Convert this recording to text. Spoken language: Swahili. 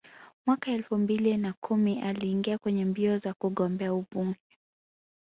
Mwaka elfu mbili na kumi aliingia kwenye mbio za kugombea ubunge